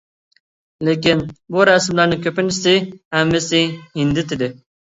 لېكىن, بۇ رەسىملەرنىڭ كۆپىنچىسى ھەممىسى ھىندى تىلى.